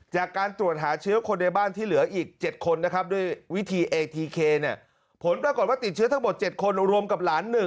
จากการตรวจหาเชื้อคนในบ้านที่เหลืออีก๗คนนะครับ